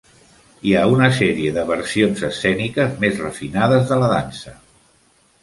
Hi ha una sèrie de versions escèniques més refinades de la dansa.